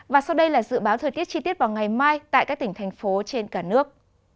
và sau đây là dự báo thời tiết chi tiết vào ngày mai tại các tỉnh thành phố trên cả nước